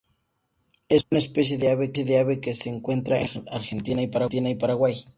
Es una especie de ave que se encuentra en Brasil, Argentina y Paraguay.